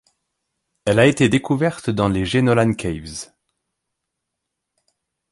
Elle a été découverte dans les Jenolan Caves.